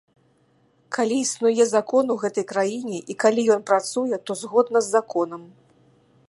Калі існуе закон у гэтай краіне, і калі ён працуе, то згодна з законам.